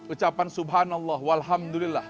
ucapan subhanallah walhamdulillah